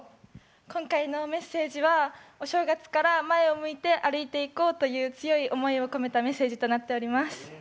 今回のメッセージはお正月から前を向いて歩いていこうという強い思いを込めたメッセージとなっております。